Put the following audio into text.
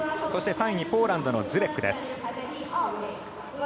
そして、３位にポーランドのズレックです。